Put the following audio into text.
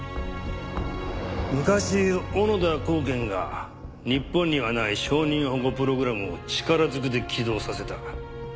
昔小野田公顕が日本にはない証人保護プログラムを力ずくで起動させた。